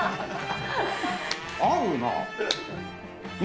合うな。